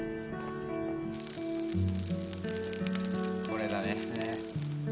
これだね。